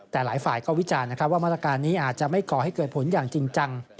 แต่หลายฝ่ายก็วิจารณ์นะครับว่ามาตรการนี้อาจจะไม่ก่อให้เกิดผลอย่างจริงจัง